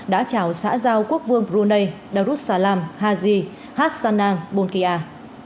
đã chào xã giao quốc vương brunei darussalam haji hassanan bolkia